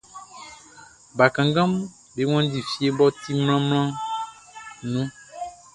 Bakannganʼm be wanndi fie mʼɔ ti mlanmlanmlanʼn nun.